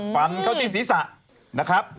ฟันเข้าที่ศีรษะนะครับ